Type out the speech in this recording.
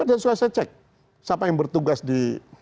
saya suka saya cek siapa yang bertugas di